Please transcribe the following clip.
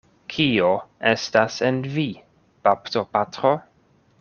Kio estas en vi, baptopatro?